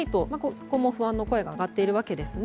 ここも不安の声が上がっているわけですね。